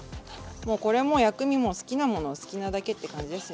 もうこれも薬味も好きなものを好きなだけって感じですね。